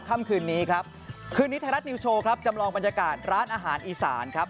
ค่ำคืนนี้ครับคืนนี้ไทยรัฐนิวโชว์ครับจำลองบรรยากาศร้านอาหารอีสานครับ